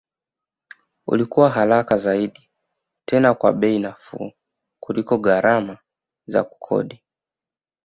Ulikuwa haraka zaidi tena kwa bei nafuu kuliko gharama za kukodi